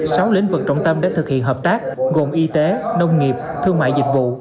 sáu lĩnh vực trọng tâm đã thực hiện hợp tác gồm y tế nông nghiệp thương mại dịch vụ